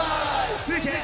・続いて。